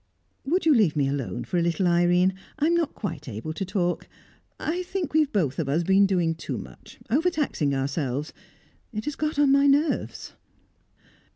"Would you leave me alone for a little, Irene? I'm not quite able to talk. I think we've both of us been doing too much overtaxing ourselves. It has got on my nerves."